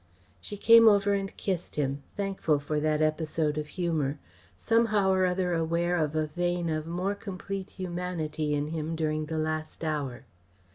She came over and kissed him, thankful for that episode of humour, somehow or other aware of a vein of more complete humanity in him during the last hour.